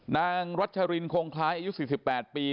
นางรัชรินคงคล้ายอายุ๔๘ปี